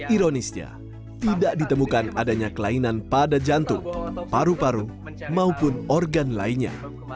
ironisnya tidak ditemukan adanya kelainan pada jantung paru paru maupun organ lainnya